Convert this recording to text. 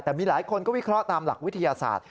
แต่มีหลายคนก็วิเคราะห์ตามหลักวิทยาศาสตร์